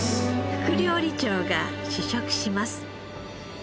副料理長が試食します。